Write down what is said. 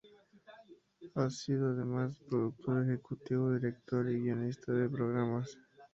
Ha sido además productor ejecutivo, director y guionista de programas.